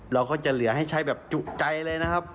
เราก็จะเหลือให้ใช้แบบจุใจเลยนะครับ